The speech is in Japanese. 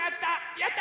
やった！